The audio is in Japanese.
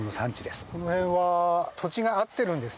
この辺は土地が合ってるんですね。